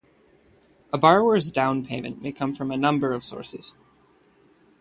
A borrower's down payment may come from a number of sources.